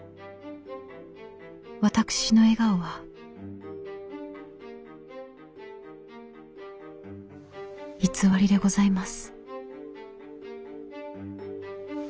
「私の笑顔は偽りでございます」。